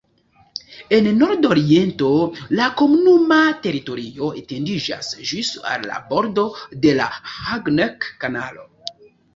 En nordoriento la komunuma teritorio etendiĝas ĝis al la bordo de la Hagneck-Kanalo.